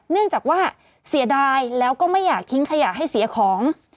เนื่องจากว่าเสียดายแล้วก็ไม่อยากทิ้งขยะให้เสียของ